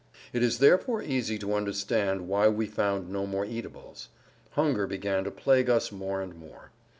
It is therefore easy to understand why we found no more eatables. Hunger began to plague us more and more.